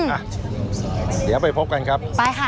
อ้าวเดี๋ยวไปพบกันครับ